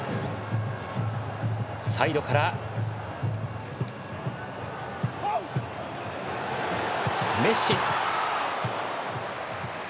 サイドから、メッシ！